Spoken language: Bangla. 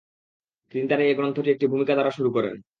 তিনি তার এ গ্রন্থটি একটি ভূমিকা দ্বারা শুরু করেন।